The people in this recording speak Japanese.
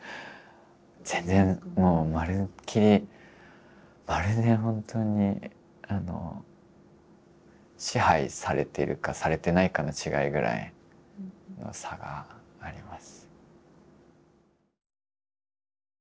全然もうまるっきりまるでほんとに支配されているかされてないかの違いぐらいの差があります。